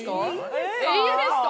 いいんですか？